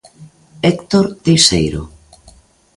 Héctor Teixeiro.